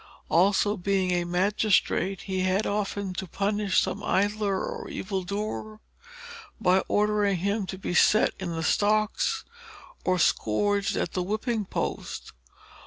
Also being a magistrate, he had often to punish some idler or evil doer, by ordering him to be set in the stocks or scourged at the whipping post.